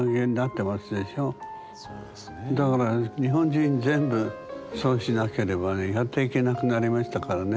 だから日本人全部そうしなければねやっていけなくなりましたからね。